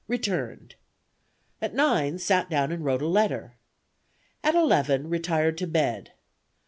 Returned. "At nine, sat down and wrote a letter. "At eleven, retired to bed.